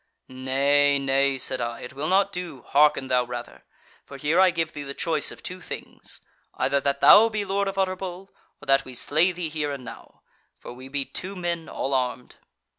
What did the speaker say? "'Nay nay,' said I, 'it will not do, hearken thou rather: For here I give thee the choice of two things, either that thou be Lord of Utterbol, or that we slay thee here and now. For we be two men all armed.'